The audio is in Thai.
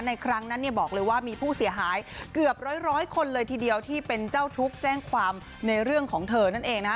ครั้งนั้นเนี่ยบอกเลยว่ามีผู้เสียหายเกือบร้อยคนเลยทีเดียวที่เป็นเจ้าทุกข์แจ้งความในเรื่องของเธอนั่นเองนะฮะ